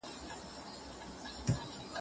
د څېړني په پای کي سمه ارزیابي ترسره کیږي.